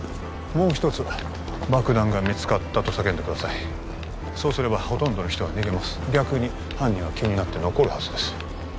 もう一つ爆弾が見つかったと叫んでくださいそうすればほとんどの人は逃げます逆に犯人は気になって残るはずです